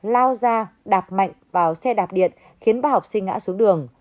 lao ra đạp mạnh vào xe đạp điện khiến ba học sinh ngã xuống đường